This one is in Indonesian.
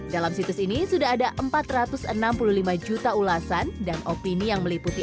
dalam situs ini sudah ada empat ratus enam puluh lima juta ulasan dan opini yang meliputi